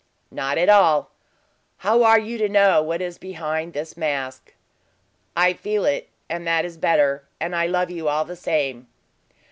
"Not at all. How are you to know what is behind this mask?" "I feel it, and that is better; and I love you all the same."